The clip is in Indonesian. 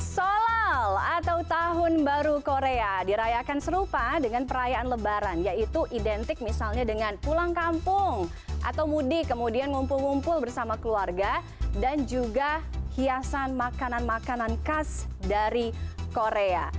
solal atau tahun baru korea dirayakan serupa dengan perayaan lebaran yaitu identik misalnya dengan pulang kampung atau mudik kemudian ngumpul ngumpul bersama keluarga dan juga hiasan makanan makanan khas dari korea